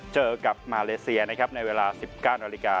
เจอกับมาเลเซียนะครับในเวลา๑๙นาฬิกา